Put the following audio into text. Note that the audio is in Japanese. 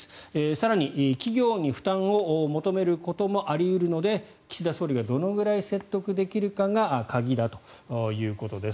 更に、企業に負担を求めることもあり得るので岸田総理がどのくらい説得できるかが鍵だということです。